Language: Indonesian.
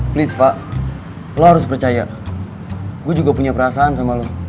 please pak lo harus percaya gue juga punya perasaan sama lo